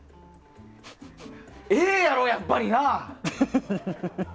やろ、やっぱりな！